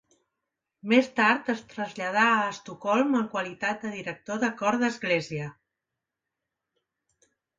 Més tard es traslladà a Estocolm en qualitat de director de cor d'església.